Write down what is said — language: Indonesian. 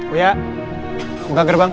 uya buka gerbang